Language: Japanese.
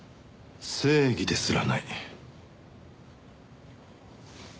正義ですらない。